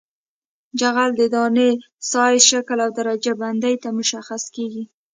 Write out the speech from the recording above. جغل د دانې سایز شکل او درجه بندۍ ته مشخص کیږي